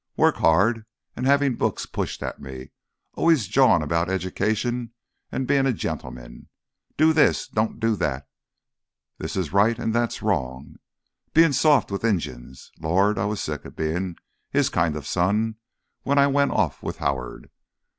Work hard—an' havin' books pushed at me. Always jawin' about education an' bein' a gentleman! Do this, don't do that—this's right, that's wrong. Bein' soft with Injuns—Lord, I was sick of bein' his kind of son when I went off with Howard.